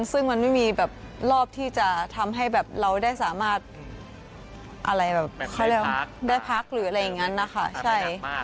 ซึ่งมันไม่มีแบบรอบที่จะทำให้แบบเราได้สามารถอะไรแบบเขาเรียกได้พักหรืออะไรอย่างนั้นนะคะใช่